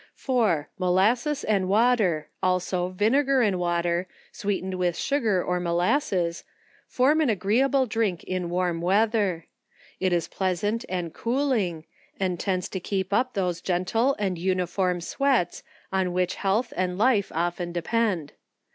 4* Molasses and Water, also Vinegar and Water, sweetened with sugar or molasses, form an agreeable drink in warm weather. It is pleasant and cooling, and tends to keep up those gentle and uniform sweats on which health, and life often depend.